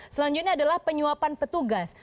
selanjutnya adalah penyuapan petugas